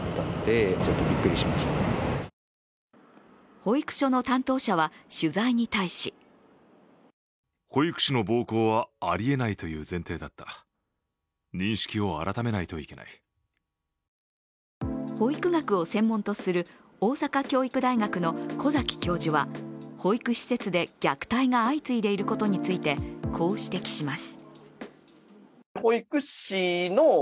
保育所の担当者は取材に対し保育学を専門とする大阪教育大学の小崎教授は保育施設で虐待が相次いでいることについて、こう指摘します。